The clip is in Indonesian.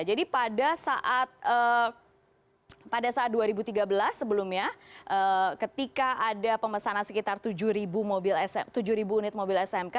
jadi pada saat dua ribu tiga belas sebelumnya ketika ada pemesanan sekitar tujuh unit mobil smk